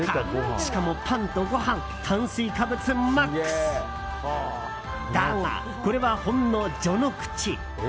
しかもパンとご飯炭水化物マックス！だが、これはほんの序の口。